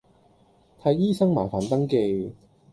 睇醫生麻煩登記